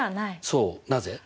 そうなぜ？